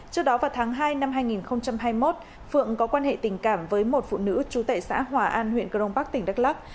trước đó vào tháng hai năm hai nghìn hai mươi một phượng có quan hệ tình cảm với một phụ nữ trú tại xã hòa an huyện cơ đông bắc tp đắk lắc